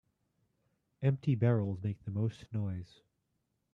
Empty barrels make the most noise.